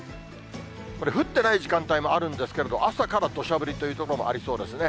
これ、降ってない時間帯もあるんですけれど、朝からどしゃ降りという所もありそうですね。